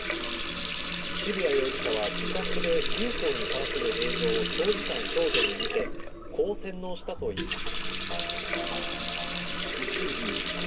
渋谷容疑者は自宅でＵＦＯに関する映像を長時間少女に見せこう洗脳したといいます。